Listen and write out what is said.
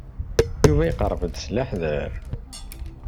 Yuba iqerreb-d s leḥder.